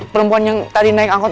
perempuan yang tadi naik angkot